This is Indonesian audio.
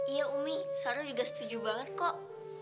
iya umi sarul juga setuju banget kok